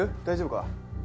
大丈夫か？